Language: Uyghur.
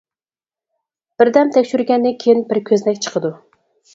بىردەم تەكشۈرگەندىن كېيىن بىر كۆزنەك چىقىدۇ.